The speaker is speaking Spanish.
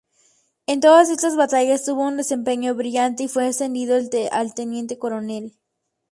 En todas estas batallas tuvo un desempeño brillante, y fue ascendido a teniente coronel.